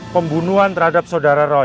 pembunuhan terhadap saudara roy